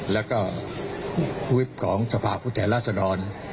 และก็วิทย์ของสภาพุทธแหละสดอน